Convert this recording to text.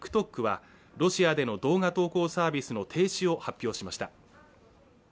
ＴｉｋＴｏｋはロシアでの動画投稿サービスの停止を発表しました